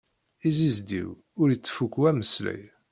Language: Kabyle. Izzizdiw, ur ittfukku ameslay.